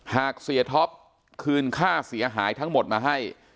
หากเสียท็อปคืนค่าเสียหายทั้งหมดมาให้